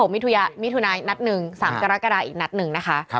มิถุนายนัดหนึ่ง๓กรกฎาอีกนัดหนึ่งนะคะ